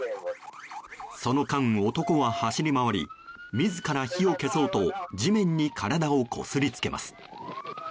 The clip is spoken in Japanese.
その間、男は走り回り自ら火を消そうと地面に体をこすりつけます。